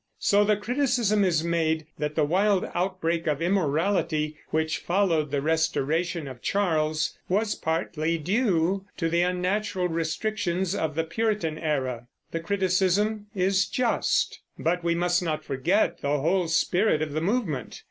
So the criticism is made that the wild outbreak of immorality which followed the restoration of Charles was partly due to the unnatural restrictions of the Puritan era. The criticism is just; but we must not forget the whole spirit of the movement.